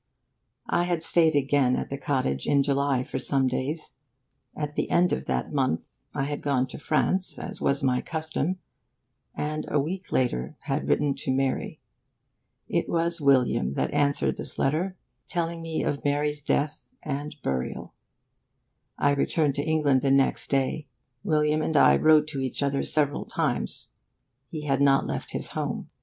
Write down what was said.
I had stayed again at the cottage in July, for some days. At the end of that month I had gone to France, as was my custom, and a week later had written to Mary. It was William that answered this letter, telling me of Mary's death and burial. I returned to England next day. William and I wrote to each other several times. He had not left his home.